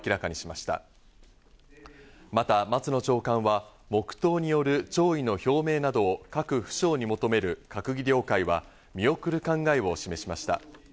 また松野長官は黙とうによる弔意の表明などを各府省に求める閣議了解は見送る考えを示しました。